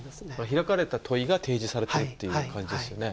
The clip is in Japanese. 開かれた問いが提示されてるっていう感じですよね。